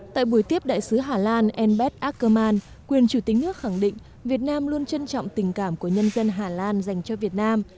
tại buổi tiếp đại sứ hà lan elbeth akherman quyền chủ tịch nước khẳng định việt nam luôn trân trọng tình cảm của nhân dân hà lan dành cho việt nam